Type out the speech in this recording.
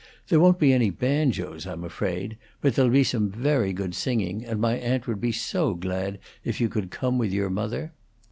There won't be any banjos, I'm afraid, but there'll be some very good singing, and my aunt would be so glad if you could come with your mother."